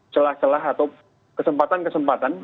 celah celah atau kesempatan kesempatan